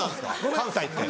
関西って。